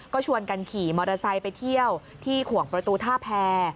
ก็ชวนกันขี่มอเตอร์ไซค์ไปเที่ยวที่ขวงประตูท่าแพร